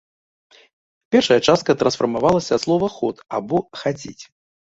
Першая частка трансфармавалася ад слова ход або хадзіць.